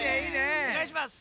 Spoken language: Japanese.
おねがいします。